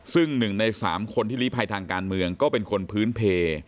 ซึ่ง๑ใน๓คนที่ลีภัยทางการเมืองก็เป็นคนพื้นเพล